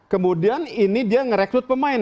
kemudian ini dia merekrut pemain